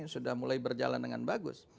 sudah mulai berjalan dengan bagus